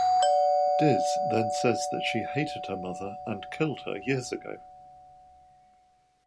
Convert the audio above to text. Diz then says that she hated her mother and killed her years ago.